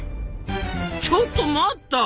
ちょっと待った！